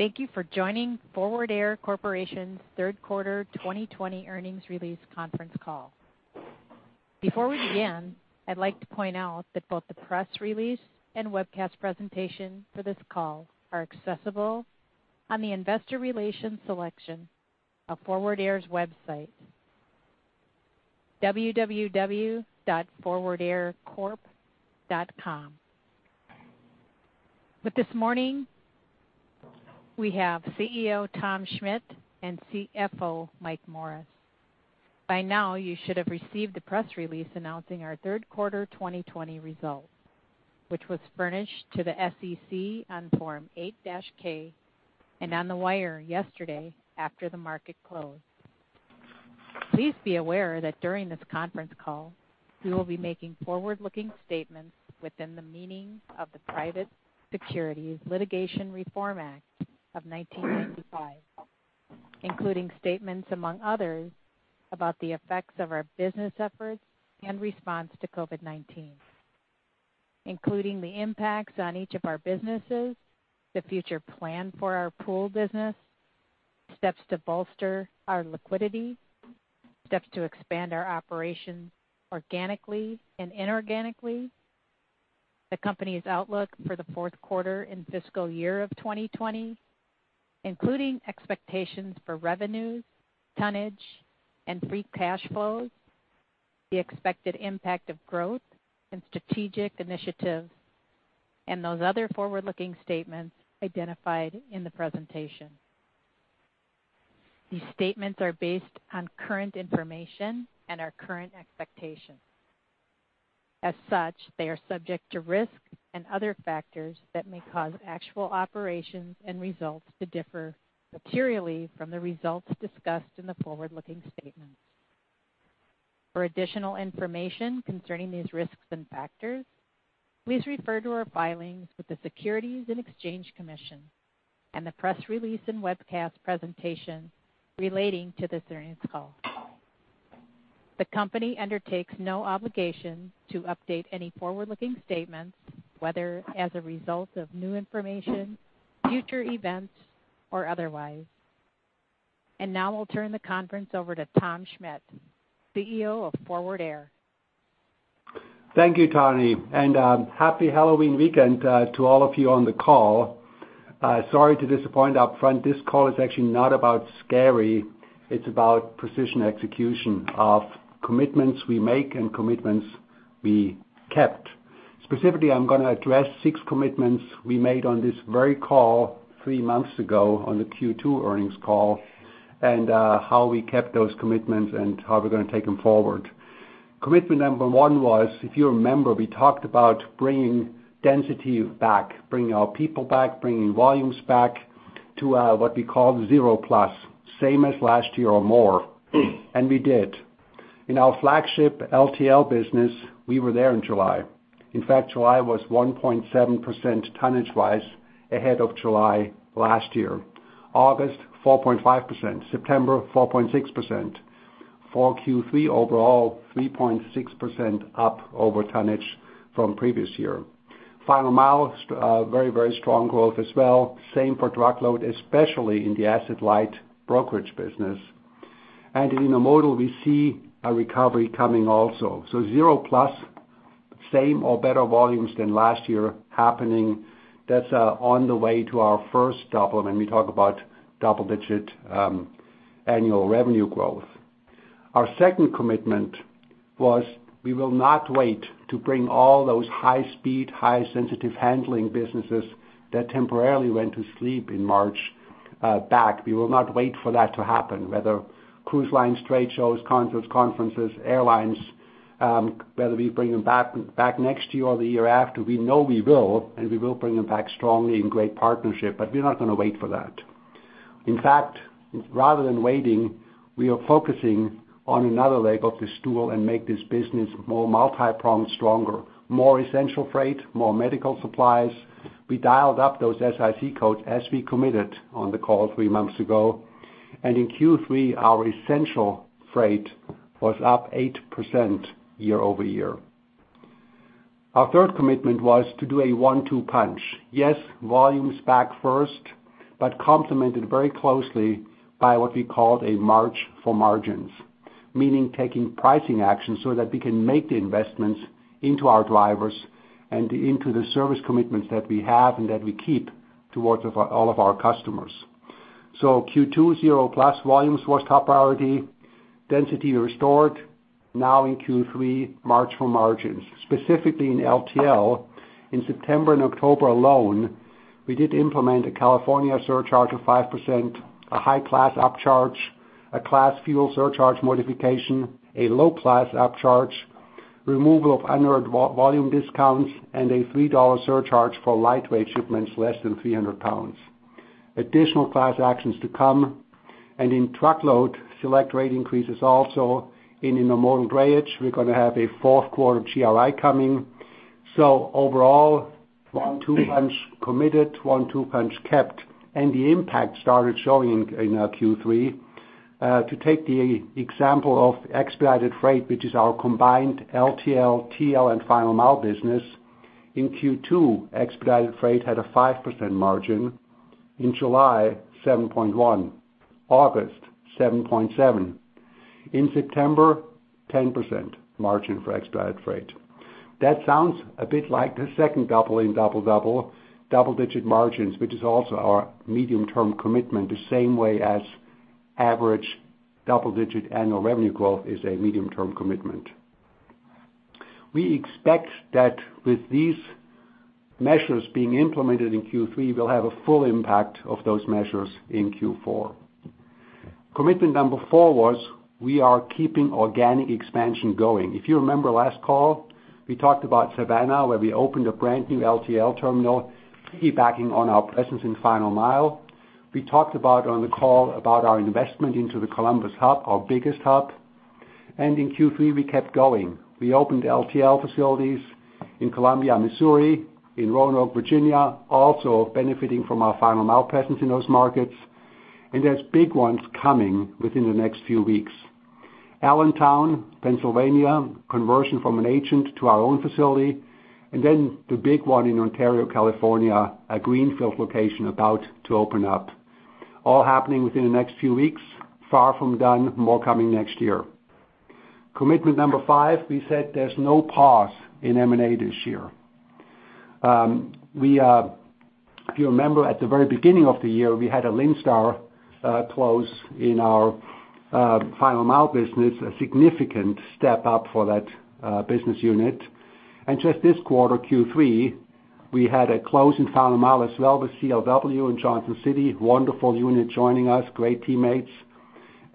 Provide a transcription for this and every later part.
Thank you for joining Forward Air Corporation's third quarter 2020 earnings release conference call. Before we begin, I'd like to point out that both the press release and webcast presentation for this call are accessible on the investor relations section of Forward Air's website, www.forwardaircorp.com. With this morning, we have CEO, Tom Schmitt, and CFO, Mike Morris. By now, you should have received the press release announcing our third quarter 2020 results, which was furnished to the SEC on Form 8-K and on the wire yesterday after the market closed. Please be aware that during this conference call, we will be making forward-looking statements within the meaning of the Private Securities Litigation Reform Act of 1995, including statements among others, about the effects of our business efforts in response to COVID-19, including the impacts on each of our businesses, the future plan for our Pool business, steps to bolster our liquidity, steps to expand our operations organically and inorganically, the company's outlook for the fourth quarter and fiscal year of 2020, including expectations for revenues, tonnage, and free cash flows, the expected impact of growth and strategic initiatives, and those other forward-looking statements identified in the presentation. These statements are based on current information and our current expectations. As such, they are subject to risks and other factors that may cause actual operations and results to differ materially from the results discussed in the forward-looking statements. For additional information concerning these risks and factors, please refer to our filings with the Securities and Exchange Commission and the press release and webcast presentation relating to this earnings call. The company undertakes no obligation to update any forward-looking statements, whether as a result of new information, future events, or otherwise. Now we'll turn the conference over to Tom Schmitt, CEO of Forward Air. Thank you, Tawny. Happy Halloween weekend to all of you on the call. Sorry to disappoint up front. This call is actually not about scary. It's about precision execution of commitments we make and commitments we kept. Specifically, I'm going to address six commitments we made on this very call three months ago on the Q2 earnings call. How we kept those commitments and how we're going to take them forward. Commitment number one was, if you remember, we talked about bringing density back, bringing our people back, bringing volumes back to what we call zero plus, same as last year or more. We did. In our flagship LTL business, we were there in July. In fact, July was 1.7% tonnage-wise ahead of July last year. August, 4.5%. September, 4.6%. For Q3 overall, 3.6% up over tonnage from previous year. Final mile, very strong growth as well. Same for truckload, especially in the asset-light brokerage business. Intermodal, we see a recovery coming also. Zero plus, same or better volumes than last year happening. That's on the way to our first double when we talk about double-digit annual revenue growth. Our second commitment was we will not wait to bring all those high-speed, high sensitive handling businesses that temporarily went to sleep in March back. We will not wait for that to happen, whether cruise lines, trade shows, concerts, conferences, airlines, whether we bring them back next year or the year after. We know we will, and we will bring them back strongly in great partnership, but we're not going to wait for that. In fact, rather than waiting, we are focusing on another leg of the stool and make this business more multi-pronged, stronger, more essential freight, more medical supplies. We dialed up those SIC codes as we committed on the call three months ago. In Q3, our essential freight was up 8% year-over-year. Our third commitment was to do a one-two punch. Yes, volumes back first, but complemented very closely by what we called a march for margins, meaning taking pricing actions so that we can make the investments into our drivers and into the service commitments that we have and that we keep towards all of our customers. Q2 zero plus volumes was top priority. Density restored. Now in Q3, march for margins, specifically in LTL. In September and October alone, we did implement a California surcharge of 5%, a high class upcharge, a class fuel surcharge modification, a low class upcharge, removal of unearned volume discounts, and a $3 surcharge for lightweight shipments less than 300 lbs. Additional class actions to come. In truckload, select rate increases also. In intermodal and drayage, we're going to have a fourth quarter GRI coming. Overall, one-two punch committed, one-two punch kept. The impact started showing in our Q3. To take the example of Expedited Freight, which is our combined LTL, TL, and final mile business. In Q2, Expedited Freight had a 5% margin. In July, 7.1%. August, 7.7%. In September, 10% margin for Expedited Freight. That sounds a bit like the second double in double-double. Double-digit margins, which is also our medium-term commitment, the same way as average double-digit annual revenue growth is a medium-term commitment. We expect that with these measures being implemented in Q3, we'll have a full impact of those measures in Q4. Commitment number four was we are keeping organic expansion going. If you remember last call, we talked about Savannah, where we opened a brand new LTL terminal, piggybacking on our presence in final mile. We talked about on the call about our investment into the Columbus hub, our biggest hub. In Q3, we kept going. We opened LTL facilities in Columbia, Missouri, in Roanoke, Virginia, also benefiting from our final mile presence in those markets. There's big ones coming within the next few weeks. Allentown, Pennsylvania, conversion from an agent to our own facility. The big one in Ontario, California, a greenfield location about to open up. All happening within the next few weeks. Far from done. More coming next year. Commitment number five, we said there's no pause in M&A this year. If you remember, at the very beginning of the year, we had a Linn Star close in our final mile business, a significant step up for that business unit. Just this quarter, Q3, we had a close in final mile as well with CLW in Johnson City. Wonderful unit joining us. Great teammates.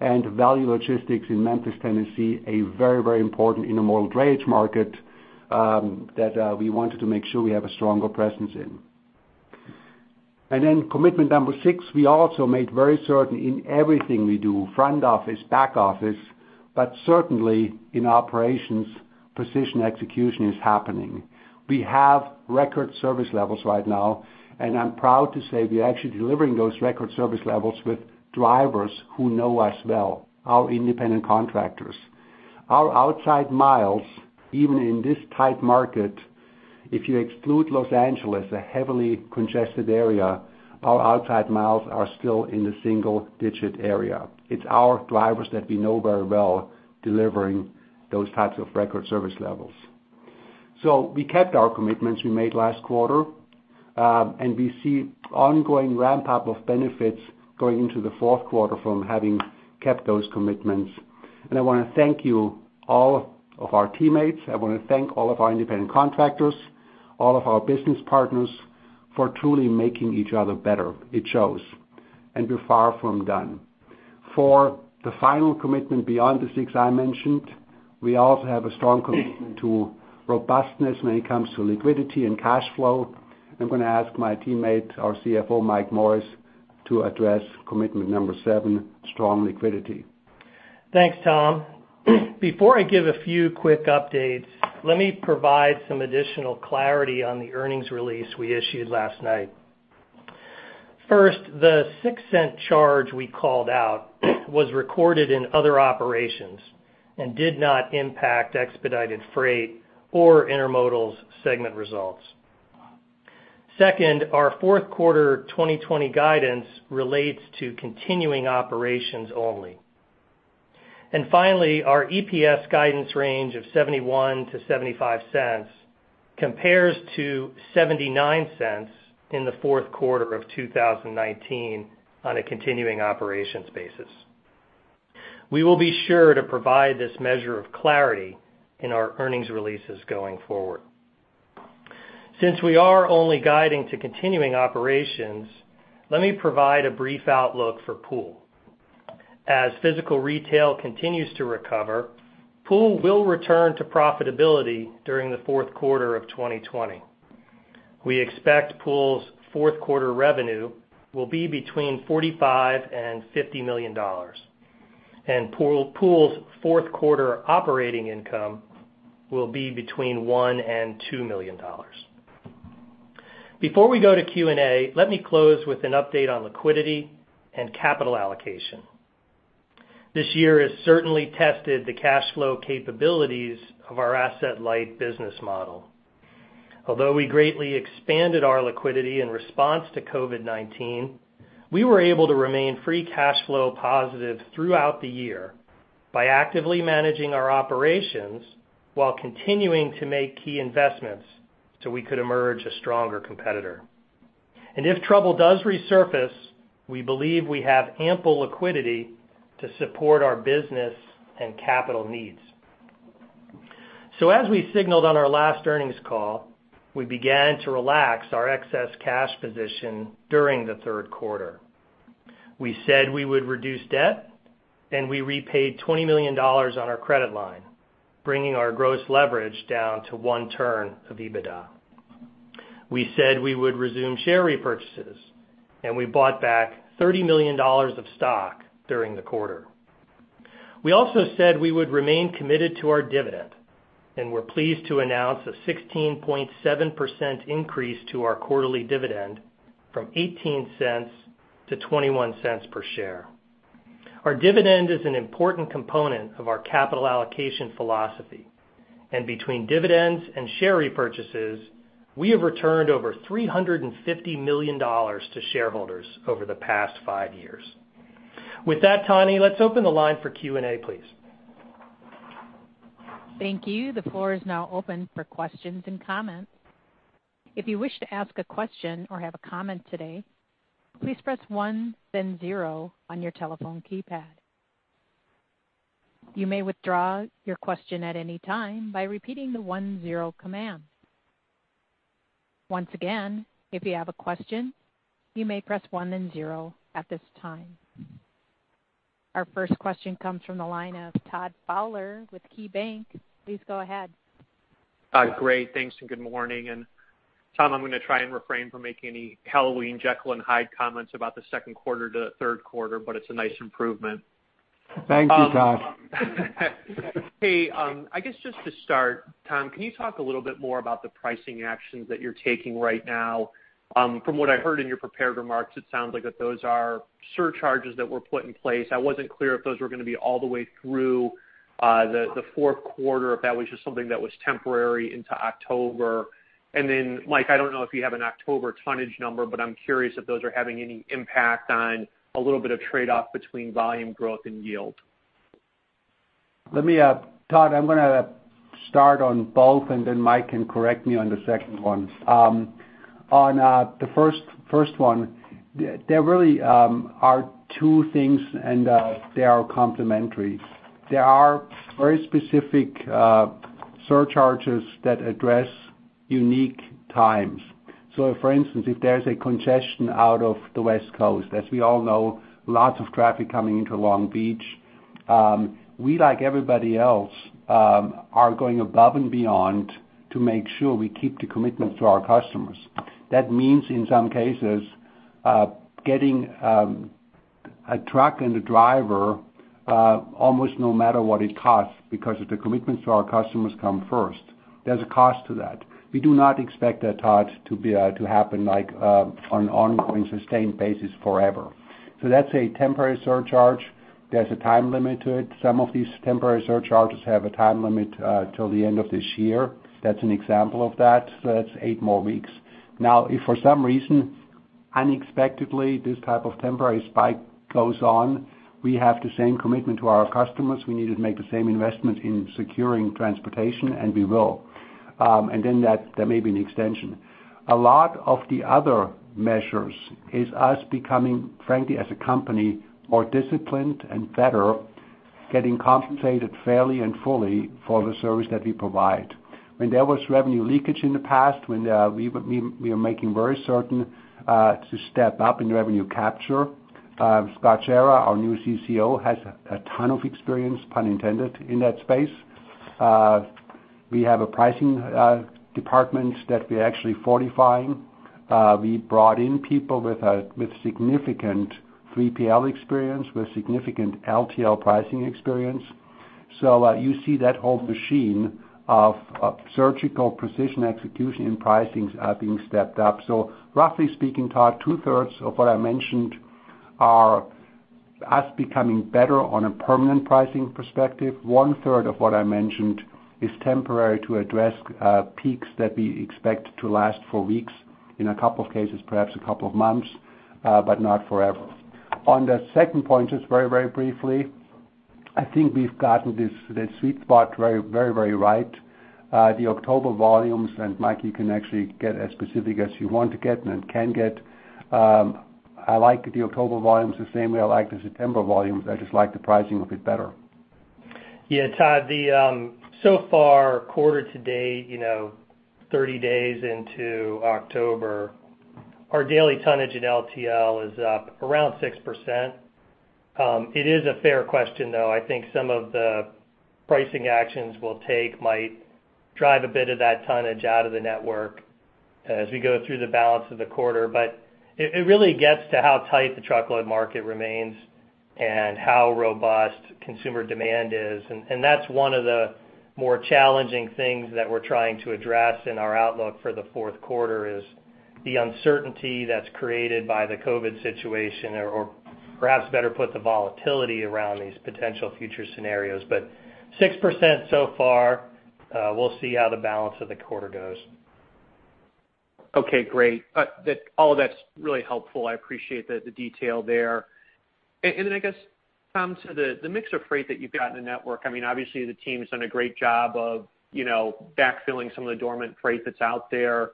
Value Logistics in Memphis, Tennessee, a very, very important intermodal drayage market that we wanted to make sure we have a stronger presence in. Commitment number six, we also made very certain in everything we do, front office, back office, but certainly in operations, precision execution is happening. We have record service levels right now, and I'm proud to say we are actually delivering those record service levels with drivers who know us well, our independent contractors. Our outside miles, even in this tight market, if you exclude Los Angeles, a heavily congested area, our outside miles are still in the single-digit area. It's our drivers that we know very well delivering those types of record service levels. We kept our commitments we made last quarter, and we see ongoing ramp-up of benefits going into the fourth quarter from having kept those commitments. I want to thank you, all of our teammates, I want to thank all of our independent contractors, all of our business partners for truly making each other better. It shows. We're far from done. For the final commitment beyond the six I mentioned, we also have a strong commitment to robustness when it comes to liquidity and cash flow. I'm going to ask my teammate, our CFO, Mike Morris, to address commitment number seven, strong liquidity. Thanks, Tom. Before I give a few quick updates, let me provide some additional clarity on the earnings release we issued last night. First, the $0.06 charge we called out was recorded in other operations and did not impact Expedited Freight or Intermodal's segment results. Second, our fourth quarter 2020 guidance relates to continuing operations only. Finally, our EPS guidance range of $0.71-$0.75 compares to $0.79 in the fourth quarter of 2019 on a continuing operations basis. We will be sure to provide this measure of clarity in our earnings releases going forward. Since we are only guiding to continuing operations, let me provide a brief outlook for Pool. As physical retail continues to recover, Pool will return to profitability during the fourth quarter of 2020. We expect Pool's fourth quarter revenue will be between $45 million-$50 million. Pool's fourth quarter operating income will be between $1 million-$2 million. Before we go to Q&A, let me close with an update on liquidity and capital allocation. This year has certainly tested the cash flow capabilities of our asset-light business model. Although we greatly expanded our liquidity in response to COVID-19, we were able to remain free cash flow positive throughout the year by actively managing our operations while continuing to make key investments so we could emerge a stronger competitor. If trouble does resurface, we believe we have ample liquidity to support our business and capital needs. As we signaled on our last earnings call, we began to relax our excess cash position during the third quarter. We said we would reduce debt, and we repaid $20 million on our credit line, bringing our gross leverage down to one turn of EBITDA. We said we would resume share repurchases, and we bought back $30 million of stock during the quarter. We also said we would remain committed to our dividend, and we're pleased to announce a 16.7% increase to our quarterly dividend from $0.18 to $0.21 per share. Our dividend is an important component of our capital allocation philosophy, and between dividends and share repurchases, we have returned over $350 million to shareholders over the past five years. With that, Tawny, let's open the line for Q&A, please. Thank you. The floor is now open for questions and comments. Our first question comes from the line of Todd Fowler with KeyBanc. Please go ahead. Hi, great. Thanks. Good morning. Tom, I'm going to try and refrain from making any Halloween Jekyll and Hyde comments about the second quarter to the third quarter. It's a nice improvement. Thank you, Todd. Hey, I guess just to start, Tom, can you talk a little bit more about the pricing actions that you're taking right now? From what I heard in your prepared remarks, it sounds like that those are surcharges that were put in place. I wasn't clear if those were going to be all the way through the fourth quarter, or if that was just something that was temporary into October. Mike, I don't know if you have an October tonnage number, but I'm curious if those are having any impact on a little bit of trade-off between volume growth and yield. Todd, I'm going to start on both, and then Mike can correct me on the second one. On the first one, there really are two things, and they are complementary. There are very specific surcharges that address unique times. For instance, if there's a congestion out of the West Coast, as we all know, lots of traffic coming into Long Beach. We, like everybody else, are going above and beyond to make sure we keep the commitment to our customers. That means, in some cases, getting a truck and a driver almost no matter what it costs, because the commitments to our customers come first. There's a cost to that. We do not expect that, Todd, to happen on an ongoing, sustained basis forever. That's a temporary surcharge. There's a time limit to it. Some of these temporary surcharges have a time limit till the end of this year. That's an example of that. That's eight more weeks. If for some reason, unexpectedly, this type of temporary spike goes on, we have the same commitment to our customers. We need to make the same investment in securing transportation, and we will. There may be an extension. A lot of the other measures is us becoming, frankly, as a company, more disciplined and better, getting compensated fairly and fully for the service that we provide. When there was revenue leakage in the past, we are making very certain to step up in revenue capture. Scott Schara, our new CCO, has a ton of experience, pun intended, in that space. We have a pricing department that we are actually fortifying. We brought in people with significant 3PL experience, with significant LTL pricing experience. You see that whole machine of surgical precision execution and pricing are being stepped up. Roughly speaking, Todd, two-thirds of what I mentioned are us becoming better on a permanent pricing perspective. One-third of what I mentioned is temporary to address peaks that we expect to last for weeks, in a couple of cases, perhaps a couple of months, but not forever. On the second point, just very briefly, I think we've gotten the sweet spot very right. The October volumes, Mike, you can actually get as specific as you want to get and can get. I like the October volumes the same way I like the September volumes. I just like the pricing a bit better. Yeah, Todd, so far quarter to date, 30 days into October, our daily tonnage in LTL is up around 6%. It is a fair question, though. I think some of the pricing actions we'll take might drive a bit of that tonnage out of the network as we go through the balance of the quarter. It really gets to how tight the truckload market remains and how robust consumer demand is. That's one of the more challenging things that we're trying to address in our outlook for the fourth quarter is the uncertainty that's created by the COVID-19 situation, or perhaps better put, the volatility around these potential future scenarios. 6% so far. We'll see how the balance of the quarter goes. Okay, great. All of that's really helpful. I appreciate the detail there. I guess, Tom, the mix of freight that you've got in the network, obviously the team's done a great job of backfilling some of the dormant freight that's out there.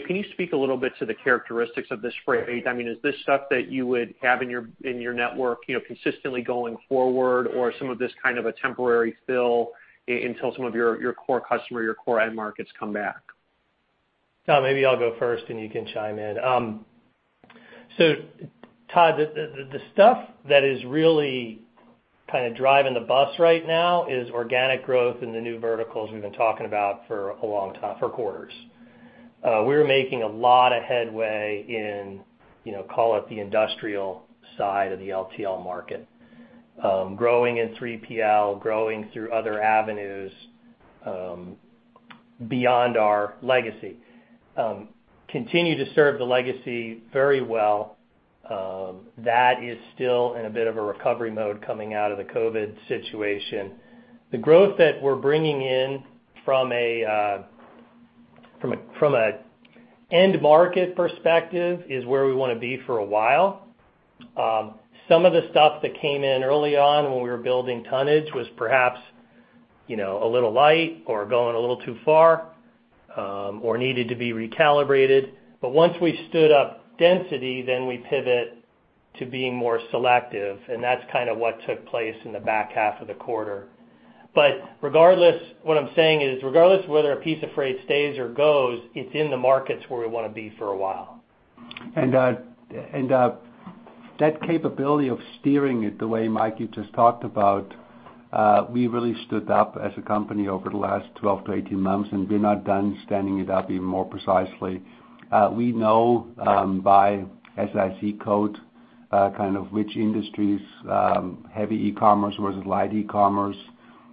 Can you speak a little bit to the characteristics of this freight? Is this stuff that you would have in your network consistently going forward, or is some of this a temporary fill until some of your core customer, your core end markets come back? Tom, maybe I'll go first, and you can chime in. Todd, the stuff that is really driving the bus right now is organic growth in the new verticals we've been talking about for a long time, for quarters. We were making a lot of headway in, call it the industrial side of the LTL market. Growing in 3PL, growing through other avenues beyond our legacy. Continue to serve the legacy very well. That is still in a bit of a recovery mode coming out of the COVID situation. The growth that we're bringing in from a end market perspective is where we want to be for a while. Some of the stuff that came in early on when we were building tonnage was perhaps a little light or going a little too far, or needed to be recalibrated. Once we stood up density, then we pivot to being more selective, and that's kind of what took place in the back half of the quarter. Regardless, what I'm saying is, regardless of whether a piece of freight stays or goes, it's in the markets where we want to be for a while. That capability of steering it the way, Mike, you just talked about, we really stood up as a company over the last 12-18 months, and we're not done standing it up even more precisely. We know, by SIC code, kind of which industries, heavy e-commerce versus light e-commerce,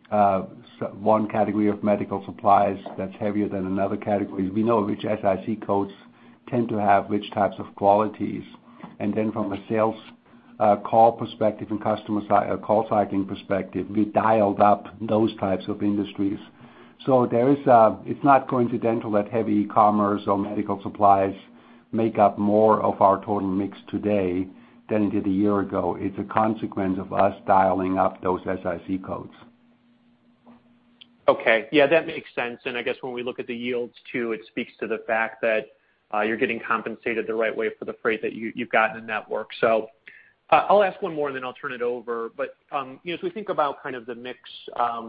one category of medical supplies that's heavier than another category. We know which SIC codes tend to have which types of qualities. From a sales call perspective and customer call cycling perspective, we dialed up those types of industries. It's not coincidental that heavy e-commerce or medical supplies make up more of our total mix today than it did a year ago. It's a consequence of us dialing up those SIC codes. Yeah, that makes sense. I guess when we look at the yields too, it speaks to the fact that you're getting compensated the right way for the freight that you've got in the network. I'll ask one more and then I'll turn it over. As we think about kind of the mix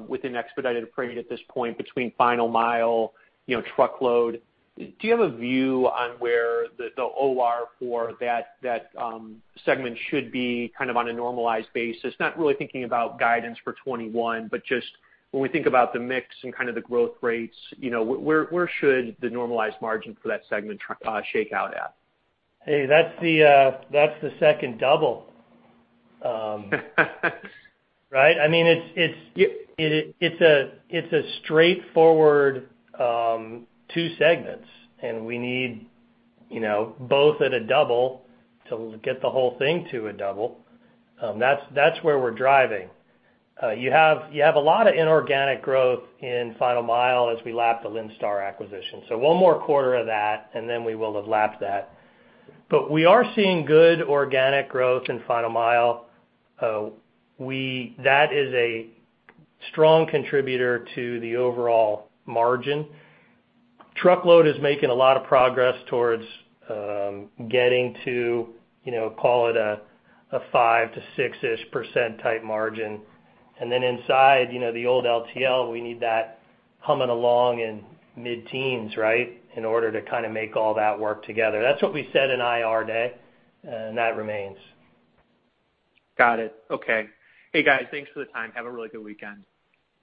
within Expedited Freight at this point between final mile, truckload, do you have a view on where the OR for that segment should be on a normalized basis? Not really thinking about guidance for 2021, but just when we think about the mix and kind of the growth rates, where should the normalized margin for that segment shake out at? Hey, that's the second double. Right? It's a straightforward two segments, and we need both at a double to get the whole thing to a double. That's where we're driving. You have a lot of inorganic growth in final mile as we lap the Linn Star acquisition. One more quarter of that, and then we will have lapped that. We are seeing good organic growth in final mile. That is a strong contributor to the overall margin. Truckload is making a lot of progress towards getting to, call it a 5%-6%-ish type margin. Inside the old LTL, we need that humming along in mid-teens, right, in order to kind of make all that work together. That's what we said in IR Day, and that remains. Got it. Okay. Hey, guys, thanks for the time. Have a really good weekend.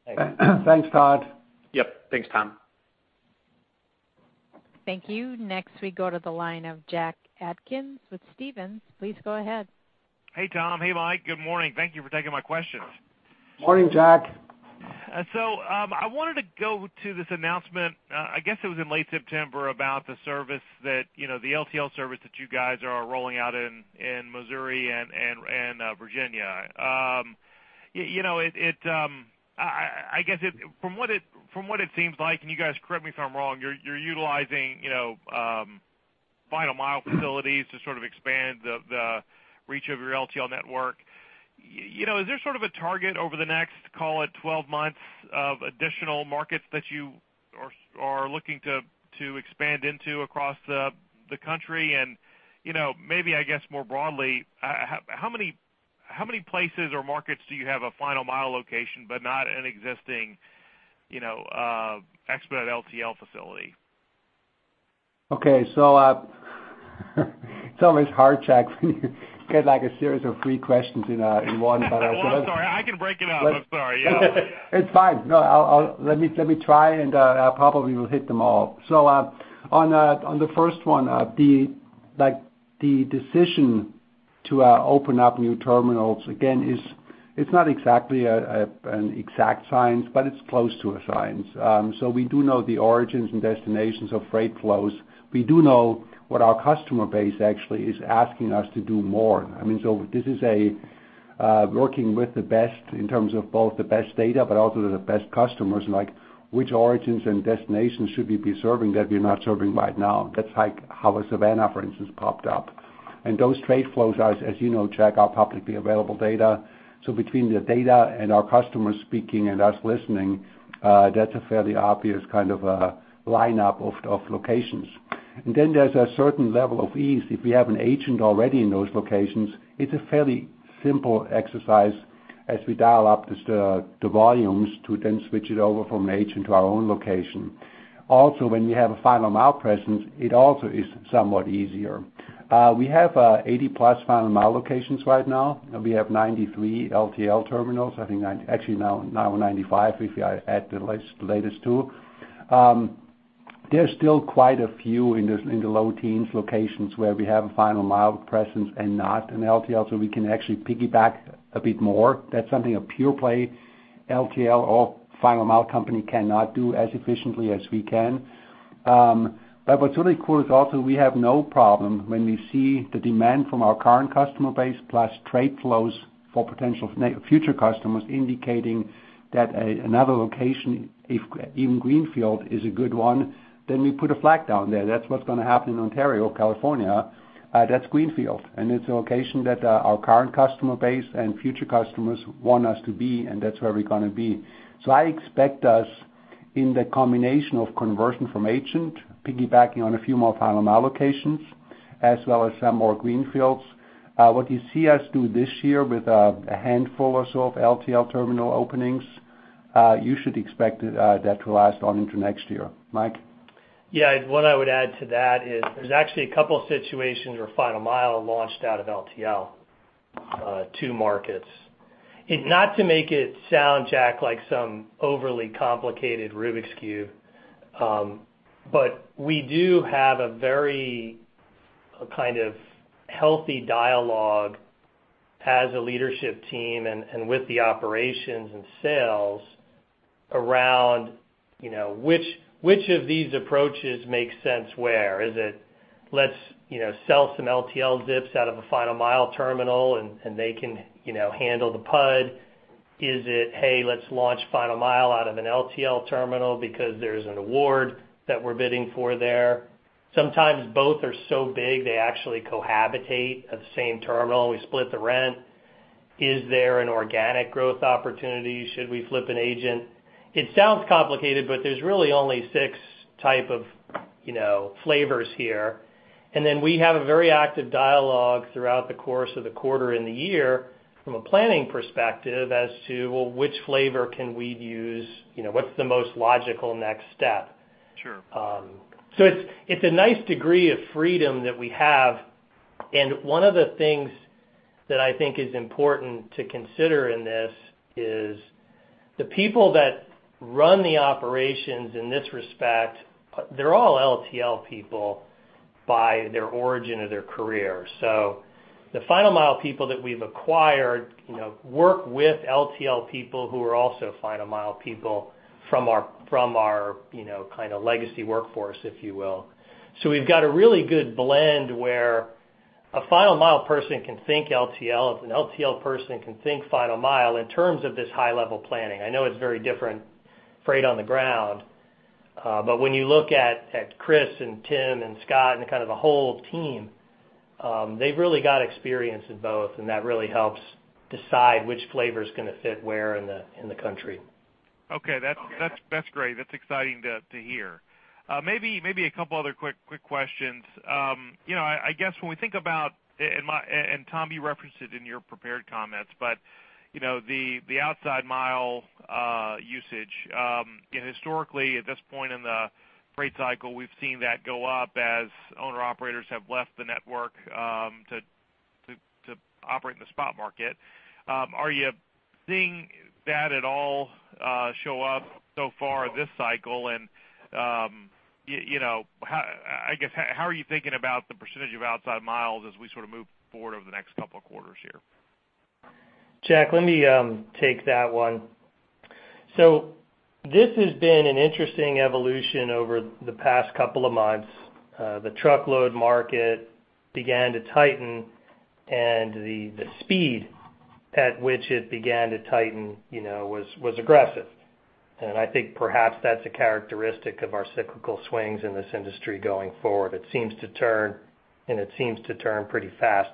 Thanks, Todd. Yep. Thanks, Tom. Thank you. Next, we go to the line of Jack Atkins with Stephens. Please go ahead. Hey, Tom. Hey, Mike. Good morning. Thank you for taking my questions. Morning, Jack. I wanted to go to this announcement, I guess it was in late September, about the LTL service that you guys are rolling out in Missouri and Virginia. I guess, from what it seems like, and you guys correct me if I'm wrong, you're utilizing final-mile facilities to sort of expand the reach of your LTL network. Is there sort of a target over the next, call it 12 months, of additional markets that you are looking to expand into across the country? Maybe, I guess more broadly, how many places or markets do you have a final-mile location but not an existing expedite LTL facility? Okay. It's always hard, Jack, when you get a series of three questions in one. Oh, I'm sorry. I can break it up. I'm sorry. Yeah. It's fine. No, let me try, and I probably will hit them all. On the first one, the decision to open up new terminals, again, it's not exactly an exact science, but it's close to a science. We do know the origins and destinations of freight flows. We do know what our customer base actually is asking us to do more. This is working with the best in terms of both the best data, but also the best customers, like which origins and destinations should we be serving that we're not serving right now? That's how our Savannah, for instance, popped up. Those trade flows are, as you know, Jack, are publicly available data. Between the data and our customers speaking and us listening, that's a fairly obvious kind of lineup of locations. Then there's a certain level of ease. If we have an agent already in those locations, it's a fairly simple exercise as we dial up the volumes to then switch it over from an agent to our own location. Also, when you have a final-mile presence, it also is somewhat easier. We have 80-plus final-mile locations right now. We have 93 LTL terminals. I think actually now 95, if you add the latest two. There's still quite a few in the low teens locations where we have a final-mile presence and not an LTL, so we can actually piggyback a bit more. That's something a pure play LTL or final-mile company cannot do as efficiently as we can. What's really cool is also we have no problem when we see the demand from our current customer base, plus trade flows for potential future customers indicating that another location, if in greenfield is a good one, then we put a flag down there. That's what's going to happen in Ontario, California. That's greenfield, and it's a location that our current customer base and future customers want us to be, and that's where we're going to be. I expect us in the combination of conversion from agent, piggybacking on a few more final mile locations, as well as some more greenfields. What you see us do this year with a handful or so of LTL terminal openings, you should expect that to last on into next year. Mike? Yeah. What I would add to that is there's actually a couple of situations where final mile launched out of LTL, two markets. Not to make it sound, Jack, like some overly complicated Rubik's Cube, but we do have a very kind of healthy dialogue as a leadership team and with the operations and sales around which of these approaches make sense where. Is it, let's sell some LTL zips out of a final mile terminal, and they can handle the PUD? Is it, hey, let's launch final mile out of an LTL terminal because there's an award that we're bidding for there? Sometimes both are so big, they actually cohabitate at the same terminal, and we split the rent. Is there an organic growth opportunity? Should we flip an agent? It sounds complicated, but there's really only six type of flavors here. We have a very active dialogue throughout the course of the quarter and the year from a planning perspective as to, well, which flavor can we use? What's the most logical next step? Sure. It's a nice degree of freedom that we have, and one of the things that I think is important to consider in this is the people that run the operations in this respect, they're all LTL people by their origin of their career. The final mile people that we've acquired work with LTL people who are also final mile people from our kind of legacy workforce, if you will. We've got a really good blend where a final mile person can think LTL, if an LTL person can think final mile in terms of this high-level planning. I know it's very different freight on the ground. When you look at Chris and Tim and Scott and the kind of the whole team, they've really got experience in both, and that really helps decide which flavor is going to fit where in the country. Okay. That's great. That's exciting to hear. Maybe a couple other quick questions. I guess when we think about, and Tom, you referenced it in your prepared comments, but the outside mile usage. Historically, at this point in the freight cycle, we've seen that go up as owner-operators have left the network to operate in the spot market. Are you seeing that at all show up so far this cycle? I guess, how are you thinking about the percentage of outside miles as we sort of move forward over the next couple of quarters here? Jack, let me take that one. This has been an interesting evolution over the past couple of months. The truckload market began to tighten, the speed at which it began to tighten was aggressive. I think perhaps that's a characteristic of our cyclical swings in this industry going forward. It seems to turn, it seems to turn pretty fast.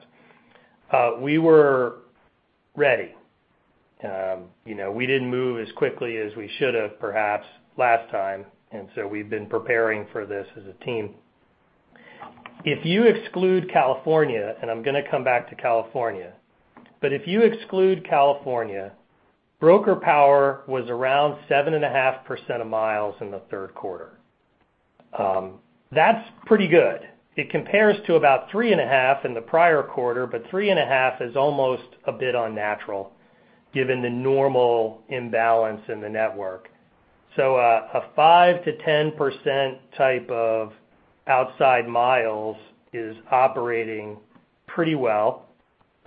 We were ready. We didn't move as quickly as we should have perhaps last time, we've been preparing for this as a team. If you exclude California, I'm going to come back to California, if you exclude California, broker power was around 7.5% of miles in the third quarter. That's pretty good. It compares to about 3.5 in the prior quarter, 3.5 is almost a bit unnatural given the normal imbalance in the network. A 5%-10% type of outside miles is operating pretty well.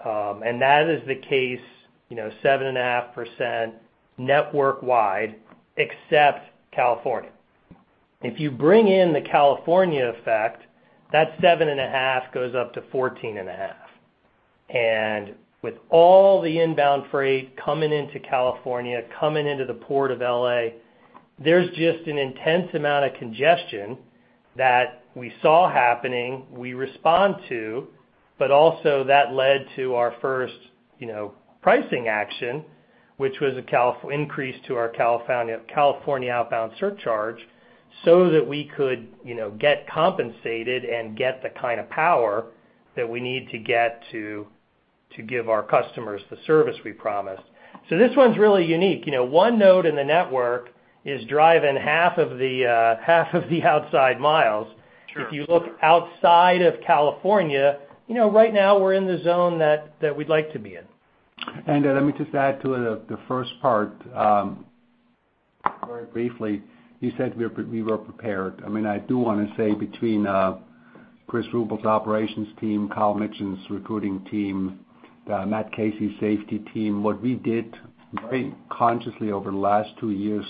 That is the case, 7.5% network-wide, except California. If you bring in the California effect, that 7.5% goes up to 14.5%. With all the inbound freight coming into California, coming into the port of L.A., there's just an intense amount of congestion that we saw happening, we respond to, but also that led to our first pricing action, which was an increase to our California outbound surcharge so that we could get compensated and get the kind of power that we need to get to give our customers the service we promised. This one's really unique. One node in the network is driving half of the outside miles. Sure. If you look outside of California, right now we're in the zone that we'd like to be in. Let me just add to the first part, very briefly. You said we were prepared. I do want to say, between Chris Ruble’s operations team, Kyle Mitchin’s recruiting team, Matt Casey’s safety team, what we did very consciously over the last two years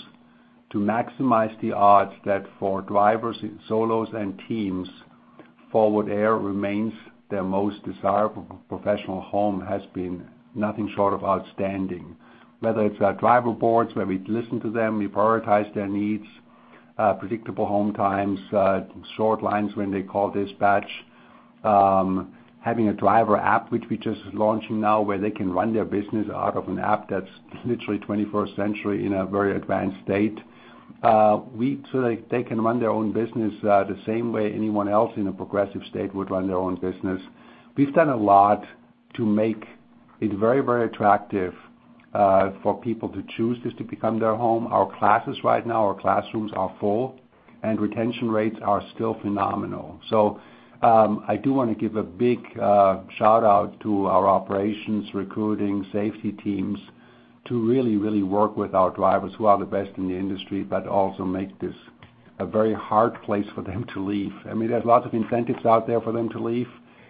to maximize the odds that for drivers, solos, and teams, Forward Air remains their most desirable professional home has been nothing short of outstanding. Whether it’s our driver boards, where we listen to them, we prioritize their needs, predictable home times, short lines when they call dispatch, having a driver app which we’re just launching now where they can run their business out of an app that’s literally 21st century in a very advanced state. They can run their own business the same way anyone else in a progressive state would run their own business. We've done a lot to make it very attractive for people to choose this to become their home. Our classes right now, our classrooms are full, and retention rates are still phenomenal. I do want to give a big shout-out to our operations, recruiting, safety teams to really work with our drivers who are the best in the industry, but also make this a very hard place for them to leave. There's lots of incentives out there for them to leave.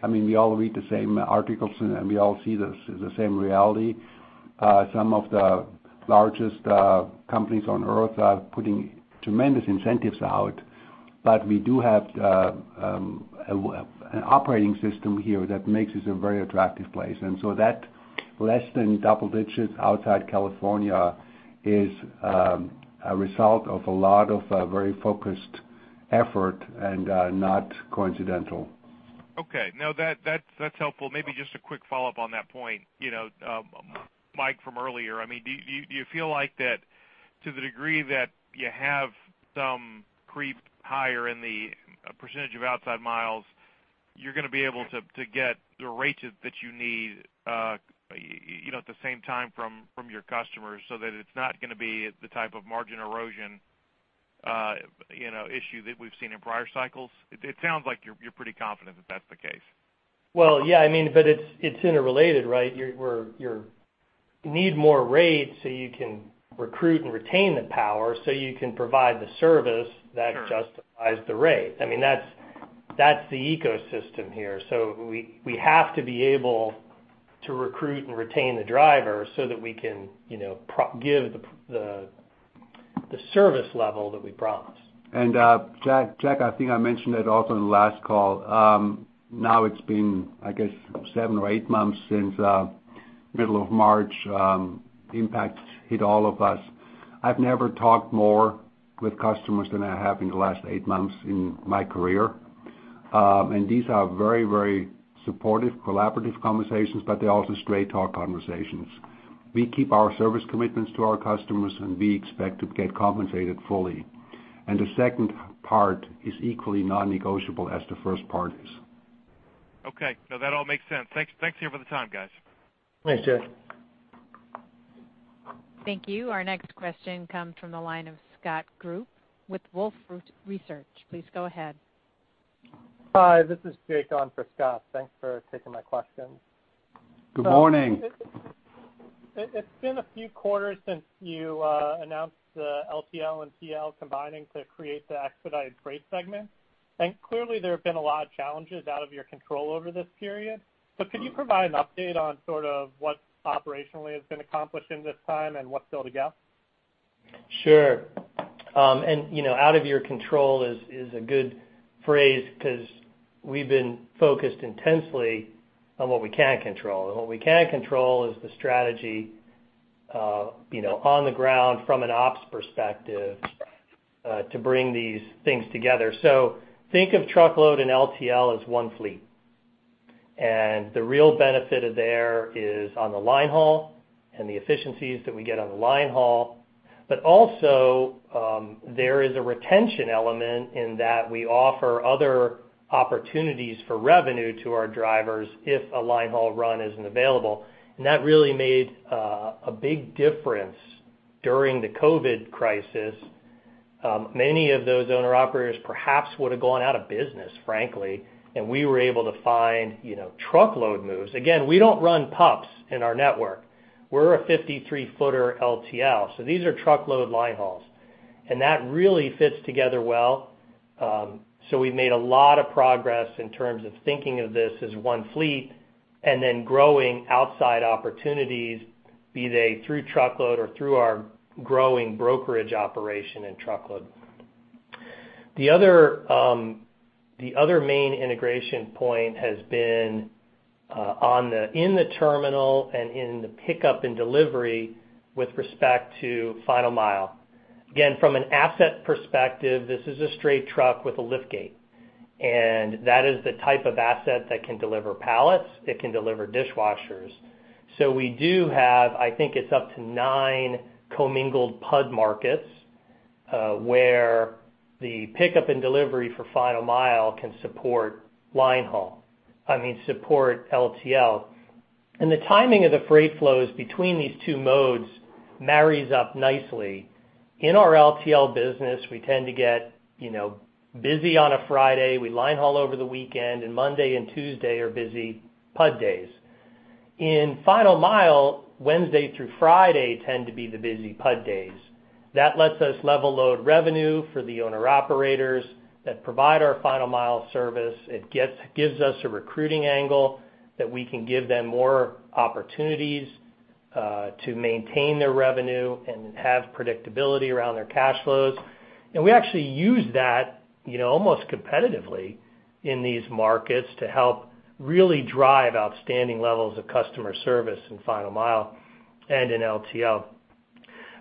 We all read the same articles, and we all see the same reality. Some of the largest companies on Earth are putting tremendous incentives out. We do have an operating system here that makes this a very attractive place. That less than double digits outside California is a result of a lot of very focused effort and not coincidental. No, that's helpful. Maybe just a quick follow-up on that point, Mike, from earlier. Do you feel like that to the degree that you have some creep higher in the percentage of outside miles, you're going to be able to get the rates that you need at the same time from your customers so that it's not going to be the type of margin erosion issue that we've seen in prior cycles? It sounds like you're pretty confident that that's the case. Yeah, but it's interrelated, right? You need more rates so you can recruit and retain the driver, so you can provide the service that justifies the rate. That's the ecosystem here. We have to be able to recruit and retain the driver so that we can give the service level that we promise. Jack, I think I mentioned it also in the last call. Now it's been, I guess, seven or eight months since middle of March, impact hit all of us. I've never talked more with customers than I have in the last eight months in my career. These are very supportive, collaborative conversations, but they're also straight-talk conversations. We keep our service commitments to our customers, and we expect to get compensated fully. The second part is equally non-negotiable as the first part is. Okay. No, that all makes sense. Thanks here for the time, guys. Thanks, Jack. Thank you. Our next question comes from the line of Scott Group with Wolfe Research. Please go ahead. Hi, this is Jake on for Scott. Thanks for taking my questions. Good morning. It's been a few quarters since you announced LTL and TL combining to create the Expedited Freight segment. Clearly there have been a lot of challenges out of your control over this period. Could you provide an update on sort of what operationally has been accomplished in this time and what's still to go? Sure. Out of your control is a good phrase because we've been focused intensely on what we can control, and what we can control is the strategy on the ground from an ops perspective to bring these things together. Think of TL and LTL as one fleet. The real benefit there is on the line haul and the efficiencies that we get on the line haul. Also, there is a retention element in that we offer other opportunities for revenue to our drivers if a line haul run isn't available. That really made a big difference during the COVID-19 crisis. Many of those owner-operators perhaps would have gone out of business, frankly, and we were able to find TL moves. Again, we don't run pups in our network. We're a 53-footer LTL, so these are TL line hauls. That really fits together well. We've made a lot of progress in terms of thinking of this as one fleet and then growing outside opportunities, be they through truckload or through our growing brokerage operation in truckload. The other main integration point has been in the terminal and in the pickup and delivery with respect to final mile. Again, from an asset perspective, this is a straight truck with a lift gate. That is the type of asset that can deliver pallets, it can deliver dishwashers. We do have, I think it's up to nine commingled PUD markets, where the pickup and delivery for final mile can support LTL. The timing of the freight flows between these two modes marries up nicely. In our LTL business, we tend to get busy on a Friday. We line haul over the weekend, and Monday and Tuesday are busy PUD days. In final mile, Wednesday through Friday tend to be the busy PUD days. That lets us level load revenue for the owner-operators that provide our final mile service. It gives us a recruiting angle that we can give them more opportunities to maintain their revenue and have predictability around their cash flows. We actually use that almost competitively in these markets to help really drive outstanding levels of customer service in final mile and in LTL.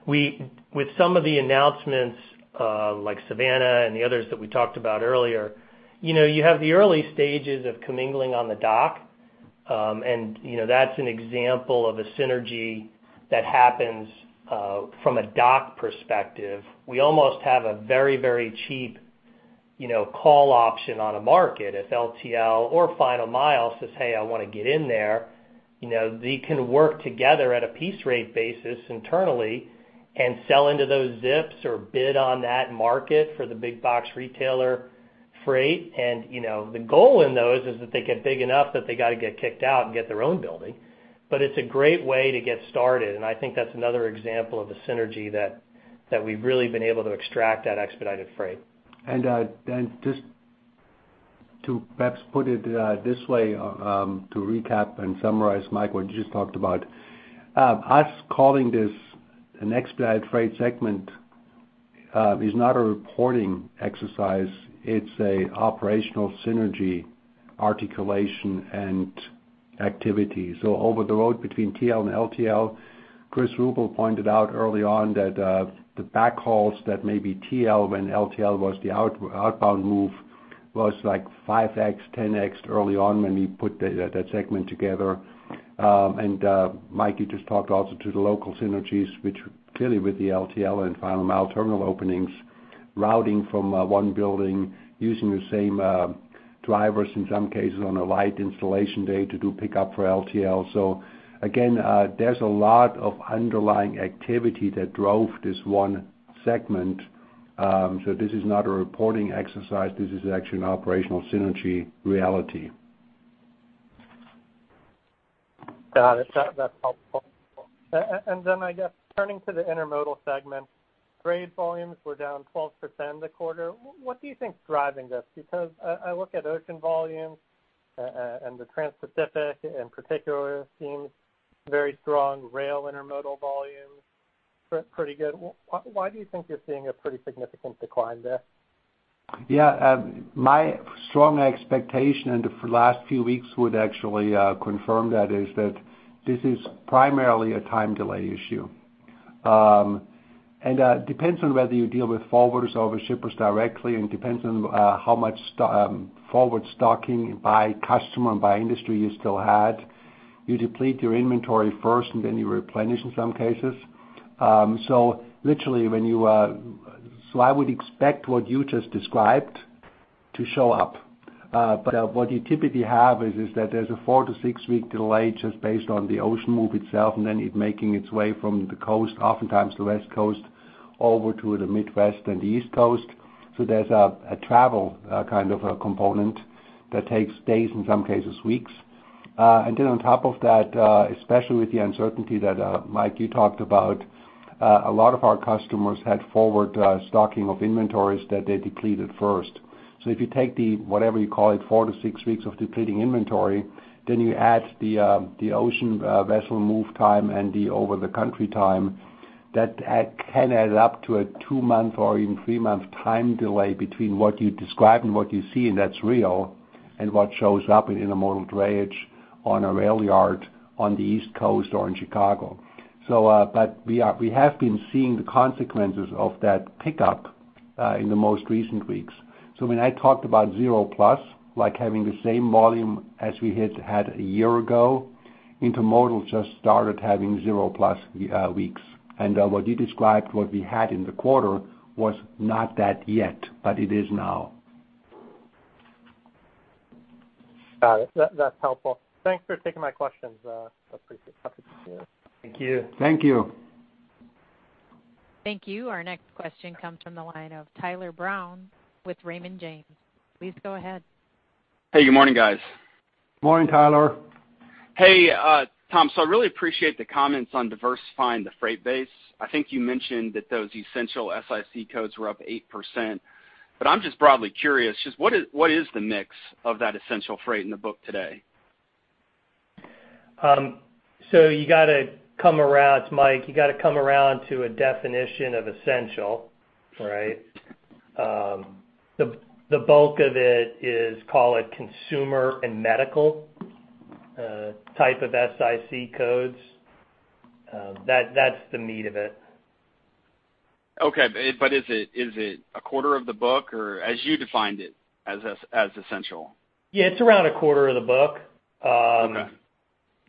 With some of the announcements, like Savannah and the others that we talked about earlier, you have the early stages of commingling on the dock, and that's an example of a synergy that happens from a dock perspective. We almost have a very cheap call option on a market if LTL or final-mile says, "Hey, I want to get in there." They can work together at a piece rate basis internally and sell into those zips or bid on that market for the big box retailer freight. The goal in those is that they get big enough that they got to get kicked out and get their own building. It's a great way to get started, and I think that's another example of a synergy that we've really been able to extract at Expedited Freight. Just to perhaps put it this way, to recap and summarize, Mike, what you just talked about. Us calling this an Expedited Freight segment is not a reporting exercise. It's an operational synergy articulation and activity. Over the road between TL and LTL, Chris Ruble pointed out early on that the backhauls that may be TL when LTL was the outbound move was like 5x, 10x early on when we put that segment together. Mike, you just talked also to the local synergies, which clearly with the LTL and final mile terminal openings, routing from one building, using the same drivers, in some cases, on a light installation day to do pickup for LTL. Again, there's a lot of underlying activity that drove this one segment. This is not a reporting exercise. This is actually an operational synergy reality. Got it. That's helpful. I guess turning to the intermodal segment, freight volumes were down 12% in the quarter. What do you think is driving this? I look at ocean volumes, and the transpacific, in particular, seems very strong. Rail intermodal volumes, pretty good. Why do you think you're seeing a pretty significant decline there? Yeah. My strong expectation, and the last few weeks would actually confirm that, is that this is primarily a time delay issue. Depends on whether you deal with forwarders or with shippers directly, and depends on how much forward stocking by customer and by industry you still had. You deplete your inventory first, and then you replenish in some cases. I would expect what you just described to show up. What you typically have is that there's a four-six-week delay just based on the ocean move itself, and then it making its way from the coast, oftentimes the West Coast, over to the Midwest and the East Coast. There's a travel component that takes days, in some cases, weeks. On top of that, especially with the uncertainty that, Mike, you talked about, a lot of our customers had forward stocking of inventories that they depleted first. If you take the, whatever you call it, four-six weeks of depleting inventory, then you add the ocean vessel move time and the over the country time, that can add up to a two-month or even three-month time delay between what you describe and what you see, and that's real, and what shows up in intermodal drayage on a rail yard on the East Coast or in Chicago. We have been seeing the consequences of that pickup in the most recent weeks. When I talked about zero plus, like having the same volume as we had had a year ago, intermodal just started having zero plus weeks. What you described, what we had in the quarter, was not that yet, but it is now. Got it. That's helpful. Thanks for taking my questions. I appreciate the opportunity. Thank you. Thank you. Thank you. Our next question comes from the line of Tyler Brown with Raymond James. Please go ahead. Hey, good morning, guys. Morning, Tyler. Hey, Tom. I really appreciate the comments on diversifying the freight base. I think you mentioned that those essential SIC codes were up 8%. I'm just broadly curious, just what is the mix of that essential freight in the book today? It's Mike. You got to come around to a definition of essential, right? The bulk of it is, call it consumer and medical type of SIC codes. That's the meat of it. Okay. Is it a quarter of the book, or as you defined it as essential? Yeah, it's around a quarter of the book. Okay.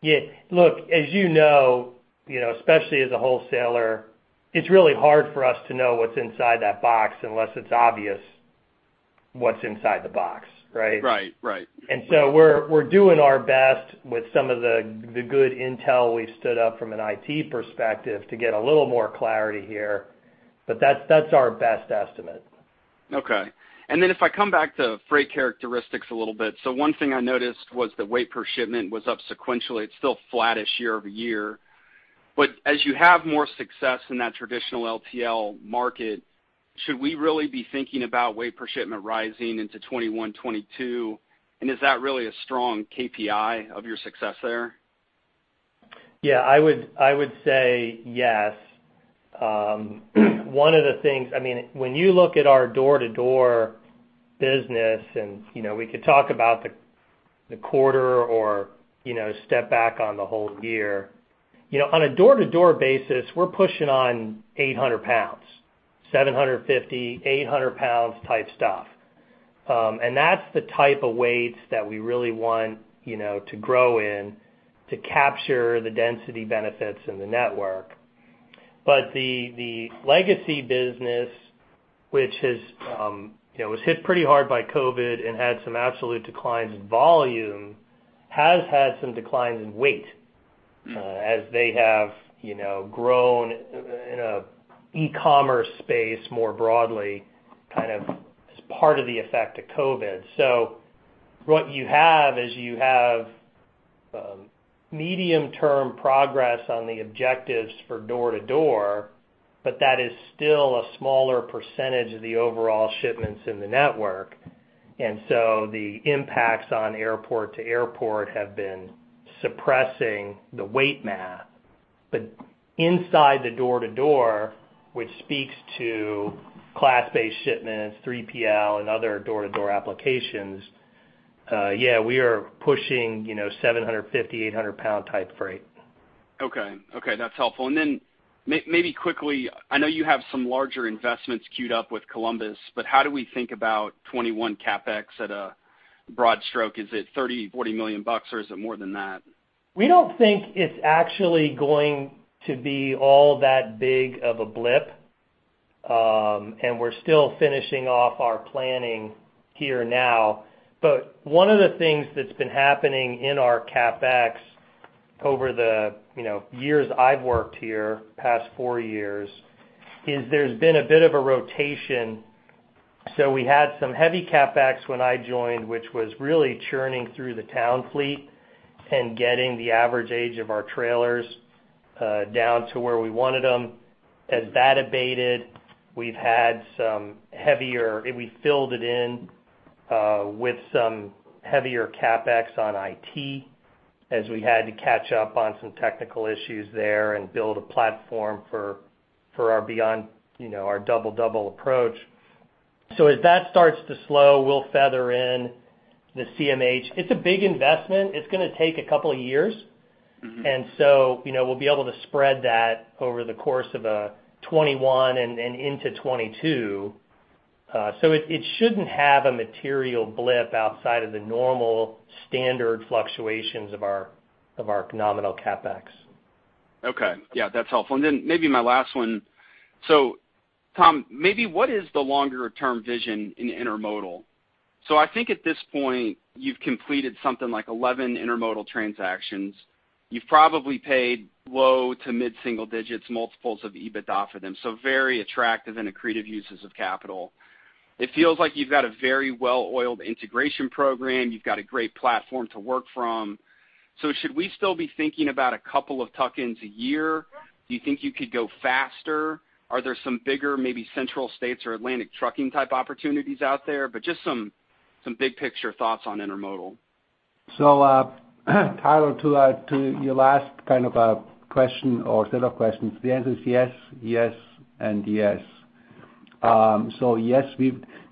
Yeah. Look, as you know, especially as a wholesaler, it's really hard for us to know what's inside that box unless it's obvious. What's inside the box, right? Right. We're doing our best with some of the good intel we've stood up from an IT perspective to get a little more clarity here. That's our best estimate. Okay. If I come back to freight characteristics a little bit, one thing I noticed was the weight per shipment was up sequentially. It's still flattish year-over-year. As you have more success in that traditional LTL market, should we really be thinking about weight per shipment rising into 2021, 2022? Is that really a strong KPI of your success there? Yeah, I would say yes. One of the things, when you look at our door-to-door business, we could talk about the quarter or step back on the whole year. On a door-to-door basis, we're pushing on 800 lbs, 750 lbs, 800 lbs type stuff. That's the type of weights that we really want to grow in to capture the density benefits in the network. The legacy business, which was hit pretty hard by COVID and had some absolute declines in volume, has had some declines in weight as they have grown in an e-commerce space more broadly, kind of as part of the effect of COVID. What you have is you have medium-term progress on the objectives for door-to-door, but that is still a smaller percentage of the overall shipments in the network. The impacts on airport-to-airport have been suppressing the weight mass. Inside the door-to-door, which speaks to class-based shipments, 3PL, and other door-to-door applications, yeah, we are pushing 750-lb-800-lb type freight. Okay. That's helpful. Maybe quickly, I know you have some larger investments cued up with Columbus, how do we think about 2021 CapEx at a broad stroke? Is it $30 million-$40 million or is it more than that? We don't think it's actually going to be all that big of a blip. We're still finishing off our planning here now. One of the things that's been happening in our CapEx over the years I've worked here, past four years, is there's been a bit of a rotation. We had some heavy CapEx when I joined, which was really churning through the Towne fleet and getting the average age of our trailers down to where we wanted them. As that abated, we filled it in with some heavier CapEx on IT as we had to catch up on some technical issues there and build a platform for our double-double approach. As that starts to slow, we'll feather in the CMH. It's a big investment. It's going to take a couple of years. We'll be able to spread that over the course of 2021 and into 2022. It shouldn't have a material blip outside of the normal standard fluctuations of our nominal CapEx. Okay. Yeah, that's helpful. Maybe my last one. Tom, maybe what is the longer-term vision in intermodal? I think at this point, you've completed something like 11 intermodal transactions. You've probably paid low to mid-single digits, multiples of EBITDA for them. Very attractive and accretive uses of capital. It feels like you've got a very well-oiled integration program. You've got a great platform to work from. Should we still be thinking about a couple of tuck-ins a year? Do you think you could go faster? Are there some bigger, maybe Central States or Atlantic Trucking type opportunities out there? Just some big picture thoughts on intermodal. Tyler, to your last kind of question or set of questions, the answer is yes, and yes. Yes,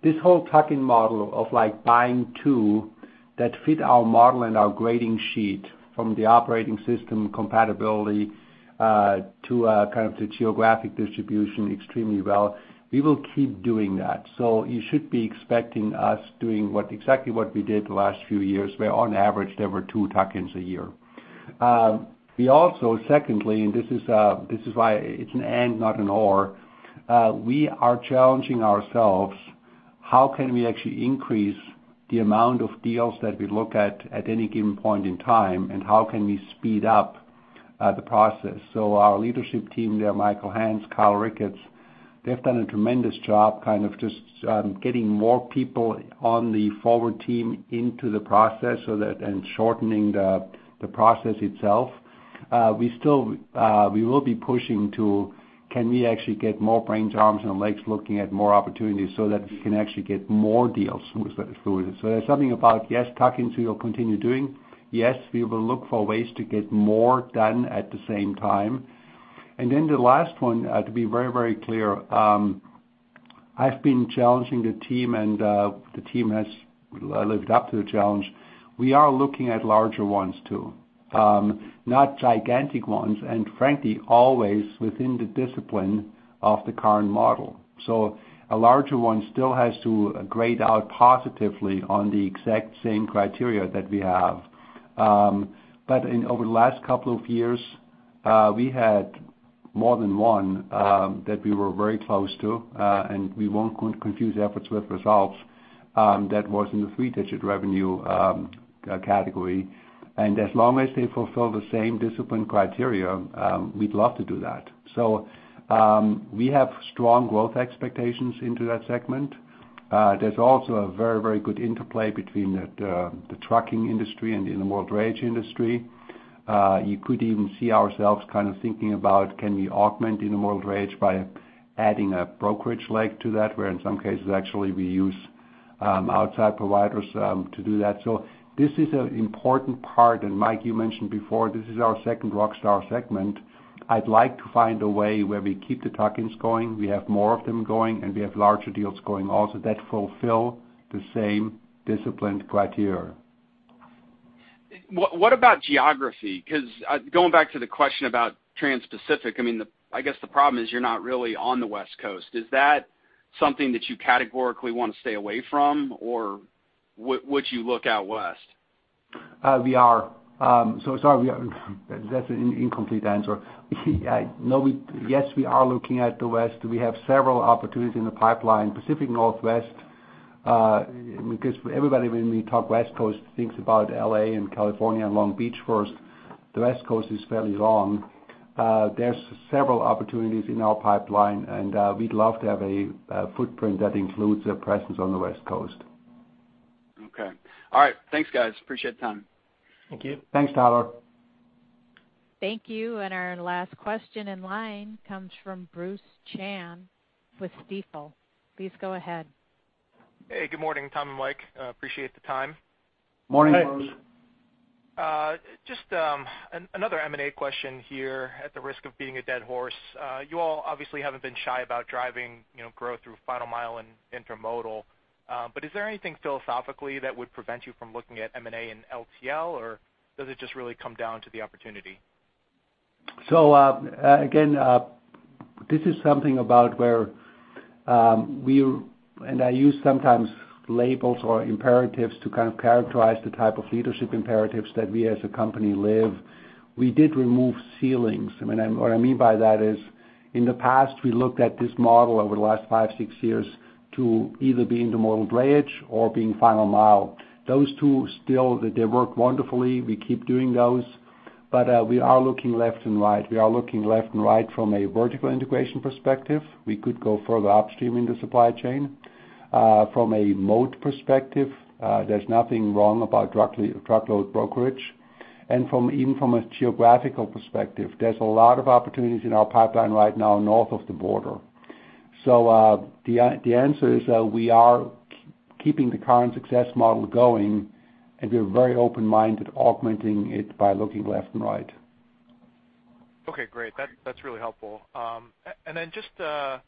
this whole tuck-in model of buying two that fit our model and our grading sheet from the operating system compatibility, to kind of the geographic distribution extremely well, we will keep doing that. You should be expecting us doing exactly what we did the last few years, where on average, there were two tuck-ins a year. We also, secondly, and this is why it's an and not an or, we are challenging ourselves, how can we actually increase the amount of deals that we look at at any given point in time, and how can we speed up the process? Our leadership team there, Michael Hance, Kyle Ricketts, they've done a tremendous job kind of just getting more people on the Forward team into the process and shortening the process itself. We will be pushing to, can we actually get more brains, arms, and legs looking at more opportunities so that we can actually get more deals? There's something about, yes, tuck-ins we will continue doing. Yes, we will look for ways to get more done at the same time. The last one, to be very clear, I've been challenging the team and the team has lived up to the challenge. We are looking at larger ones, too. Not gigantic ones, and frankly, always within the discipline of the current model. A larger one still has to grade out positively on the exact same criteria that we have. Over the last couple of years, we had more than one that we were very close to, and we won't confuse efforts with results. That was in the three-digit revenue category. As long as they fulfill the same discipline criteria, we'd love to do that. We have strong growth expectations into that segment. There's also a very good interplay between the trucking industry and the intermodal drayage industry. You could even see ourselves kind of thinking about can we augment intermodal drayage by adding a brokerage leg to that, where in some cases actually we use outside providers to do that. This is an important part, and Mike, you mentioned before, this is our second rockstar segment. I'd like to find a way where we keep the tuck-ins going, we have more of them going, and we have larger deals going also that fulfill the same disciplined criteria. What about geography? Going back to the question about transpacific, I guess the problem is you're not really on the West Coast. Is that something that you categorically want to stay away from, or would you look out west? We are. Sorry, that's an incomplete answer. Yes, we are looking at the West. We have several opportunities in the pipeline, Pacific Northwest. Everybody, when we talk West Coast thinks about L.A. and California and Long Beach first. The West Coast is fairly long. There's several opportunities in our pipeline, and we'd love to have a footprint that includes a presence on the West Coast. Okay. All right. Thanks, guys. Appreciate the time. Thank you. Thanks, Tyler. Thank you. Our last question in line comes from Bruce Chan with Stifel. Please go ahead. Hey, good morning, Tom and Mike. Appreciate the time. Morning, Bruce. Thanks. Just another M&A question here at the risk of beating a dead horse. You all obviously haven't been shy about driving growth through final mile and intermodal. Is there anything philosophically that would prevent you from looking at M&A and LTL, or does it just really come down to the opportunity? This is something about where and I use sometimes labels or imperatives to kind of characterize the type of leadership imperatives that we as a company live. We did remove ceilings. What I mean by that is, in the past, we looked at this model over the last five, six years to either be intermodal drayage or being final mile. Those two still work wonderfully. We keep doing those. We are looking left and right. We are looking left and right from a vertical integration perspective. We could go further upstream in the supply chain. From a mode perspective, there's nothing wrong about truckload brokerage. Even from a geographical perspective, there's a lot of opportunities in our pipeline right now north of the border. The answer is we are keeping the current success model going, and we're very open-minded augmenting it by looking left and right. Okay, great. That's really helpful. Just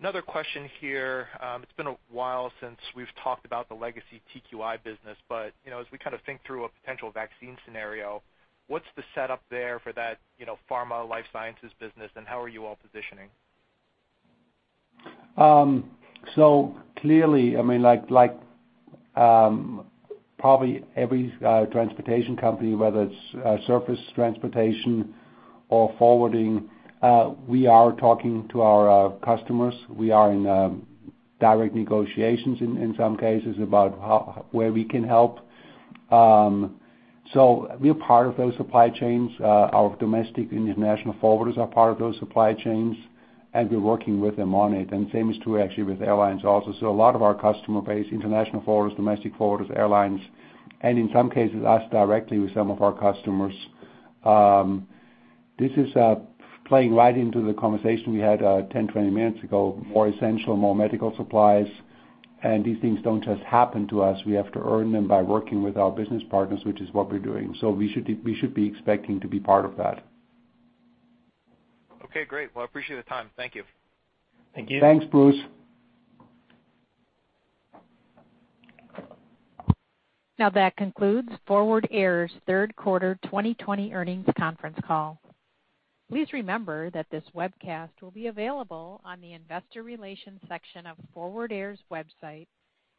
another question here. It's been a while since we've talked about the legacy TQI business, but as we kind of think through a potential vaccine scenario, what's the setup there for that pharma life sciences business, and how are you all positioning? Clearly, like probably every transportation company, whether it's surface transportation or forwarding, we are talking to our customers. We are in direct negotiations in some cases about where we can help. We're part of those supply chains. Our domestic international forwarders are part of those supply chains, and we're working with them on it. Same is true actually with airlines also. A lot of our customer base, international forwarders, domestic forwarders, airlines, and in some cases us directly with some of our customers. This is playing right into the conversation we had 10, 20 minutes ago, more essential, more medical supplies. These things don't just happen to us. We have to earn them by working with our business partners, which is what we're doing. We should be expecting to be part of that. Okay, great. Well, I appreciate the time. Thank you. Thank you. Thanks, Bruce. Now that concludes Forward Air's third quarter 2020 earnings conference call. Please remember that this webcast will be available on the investor relations section of Forward Air's website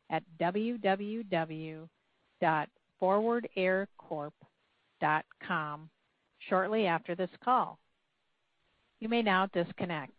at www.forwardaircorp.com shortly after this call. You may now disconnect.